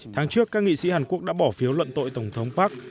tháng trước các nghị sĩ hàn quốc đã bỏ phiếu luận tội tổng thống park